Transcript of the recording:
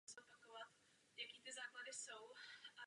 Vítám dnešní připomínky pana komisaře.